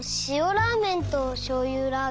ラーメンとしょうゆラーメン